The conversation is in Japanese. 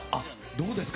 どうですか？